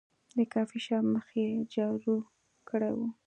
د کافي شاپ مخ یې جارو کړی و.